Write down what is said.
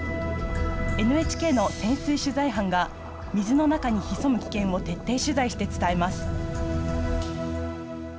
ＮＨＫの潜水取材班が水の中に潜む危険を徹底取材して伝えます。